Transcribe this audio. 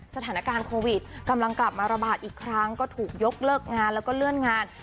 สถานการณ์โควิดกำลังกลับมาระบาดอีกครั้งก็ถูกยกเลิกงานแล้วก็เลื่อนงาน